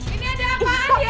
ini ada apaan ya